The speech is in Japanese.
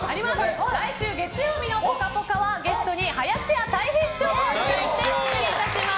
来週月曜日の「ぽかぽか」はゲストに林家たい平師匠をお迎えしてお送りします。